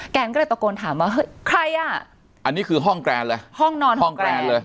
แกนก็เลยตะโกนถามว่าเฮ้ยใครอ่ะอันนี้คือห้องแกรนเลยห้องนอนห้องแกรนเลย